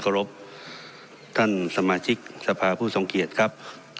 เคารพท่านสมาชิกทรภาพผู้ส่องเขียดครับ